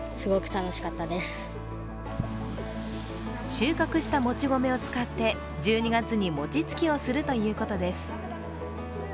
収穫したもち米を使って１２月に餅つきをするということです。